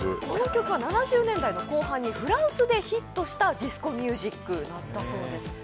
この曲は７０年代の後半にフランスでヒットしたディスコミュージックだったそうです。